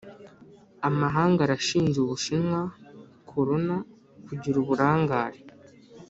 Amahanga arashinja U’bushinwa korona kugira uburangare